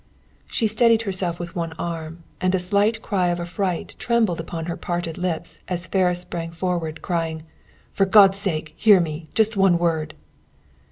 She steadied herself with one arm, and a slight cry of affright trembled upon her parted lips as Ferris sprang forward, crying "For God's sake, hear me! Just one word!"